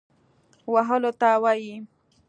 وهلو ته وايي.